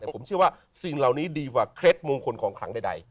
แต่ผมเชื่อว่าสิ่งเหล่านี้ดีกว่าเคล็ดมงคลของขลังใด